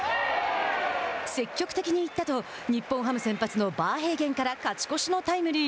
積極的に行ったと日本ハム先発のバーヘイゲンから勝ち越しのタイムリー。